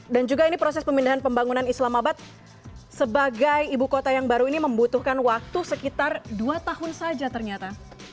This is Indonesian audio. dan juga ini proses pemindahan pembangunan islamabad sebagai ibu kota yang baru ini membutuhkan waktu sekitar dua tahun saja ternyata